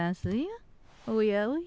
おやおや。